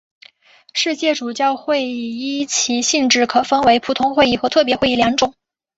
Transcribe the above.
世界主教会议依其性质可分为普通会议和特别会议两种。